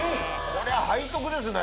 これ背徳ですね。